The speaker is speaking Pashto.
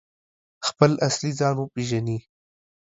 خپل اصلي ځان وپیژني؟